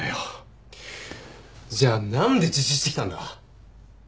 じゃあなんで自首してきたんだ？